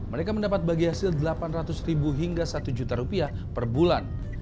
mereka mendapat bagi hasil delapan ratus ribu hingga satu juta rupiah per bulan